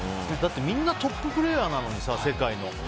みんなトッププレーヤーなのに、世界の。